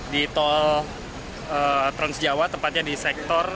di tol transjawa tempatnya di sektor